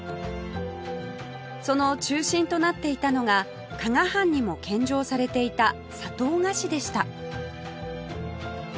その中心となっていたのが加賀藩にも献上されていた砂糖菓子でした